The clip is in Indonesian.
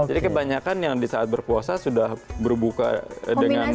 jadi kebanyakan yang di saat berpuasa sudah berbuka dengan